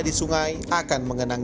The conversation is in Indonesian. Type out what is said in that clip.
pemzuge laki laki inglis terang